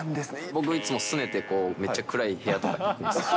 僕いつもすねて、めっちゃ暗い部屋とかに行くんですよ。